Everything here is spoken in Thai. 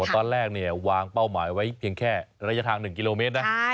ตอนแรกวางเป้าหมายไว้เพียงแค่ระยะทาง๑กิโลเมตรนะ